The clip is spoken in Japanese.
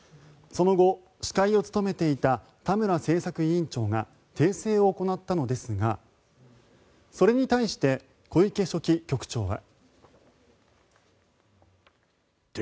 その後、司会を務めていた田村政策委員長が訂正を行ったのですがそれに対して小池書記局長は。